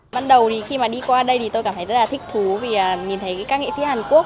ban đầu thì khi mà đi qua đây thì tôi cảm thấy rất là thích thú vì nhìn thấy các nghệ sĩ hàn quốc